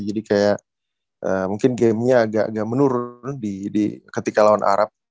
jadi kayak mungkin gamenya agak agak menurun ketika lawan arab